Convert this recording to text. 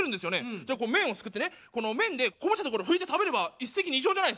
じゃあ麺をすくってねこの麺でこぼした所拭いて食べれば一石二鳥じゃないですか。